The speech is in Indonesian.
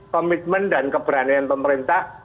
komitmen dan keberanian pemerintah